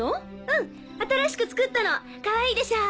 うん新しく作ったのかわいいでしょ。